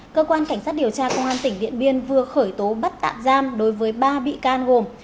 cơ quan cảnh sát điều tra công an tỉnh điện biên vừa khởi tố bắt tạm giam đối với ba bị can gồm